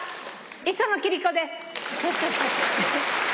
磯野貴理子です。